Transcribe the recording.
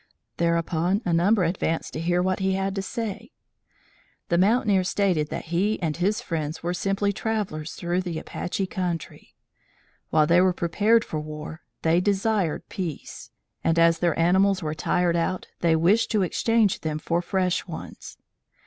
Thereupon, a number advanced to hear what he had to say. The mountaineer stated that he and his friends were simply travellers through the Apache country; while they were prepared for war, they desired peace, and as their animals were tired out they wished to exchange them for fresh ones.